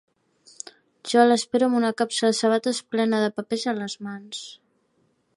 Jo l'espero amb una capsa de sabates plena de papers a les mans.